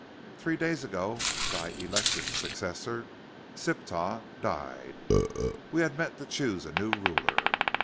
Three days ago thy elected successor, Siptah, died. We had met to choose a new ruler.